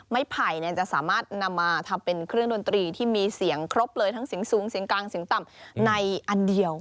ไผ่จะสามารถนำมาทำเป็นเครื่องดนตรีที่มีเสียงครบเลยทั้งเสียงสูงเสียงกลางเสียงต่ำในอันเดียว